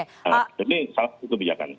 jadi salah satu kebijakan